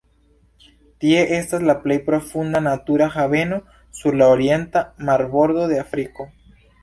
Tie estas la plej profunda natura haveno sur la orienta marbordo de Afriko.